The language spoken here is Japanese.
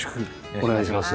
お願いします。